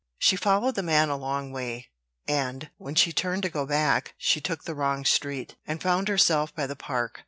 She followed the man a long way; and, when she turned to go back, she took the wrong street, and found herself by the park.